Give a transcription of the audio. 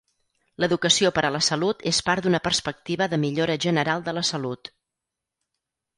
L'educació per a la salut és part d'una perspectiva de millora general de la salut.